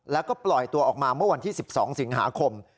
แล้วก็ปล่อยตัวออกมาเมื่อวันที่๑๒สิงหาคม